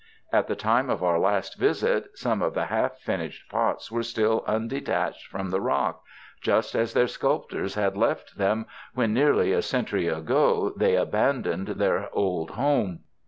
At the time of our last visit, some of the half finished pots were still undetached from the rock, just as their sculptors had left them when, nearly a century ago, they abandoned their old home.